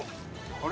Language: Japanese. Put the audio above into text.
あれ？